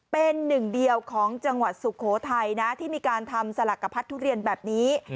เป็นหนึ่งเดียวของจังหวัดสุโขทัยนะที่มีการทำสลักกระพัดทุเรียนแบบนี้